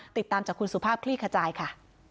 ติดตามจากคุณสุภาพคลี่ขจายค่ะ